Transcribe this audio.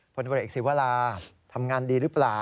ผลตำรวจเอกศิวราทำงานดีหรือเปล่า